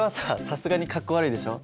さすがにかっこ悪いでしょ。